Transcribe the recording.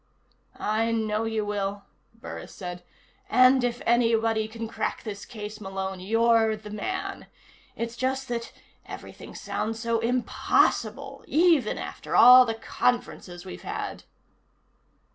"I know you will," Burris said. "And if anybody can crack this case, Malone, you're the man. It's just that everything sounds so impossible. Even after all the conferences we've had."